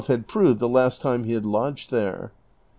had proved the last time he had lodged there.